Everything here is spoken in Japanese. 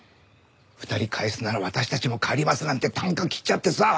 「２人帰すなら私たちも帰ります」なんて啖呵切っちゃってさ。